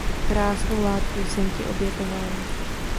Krásnou látku jsem ti obětoval.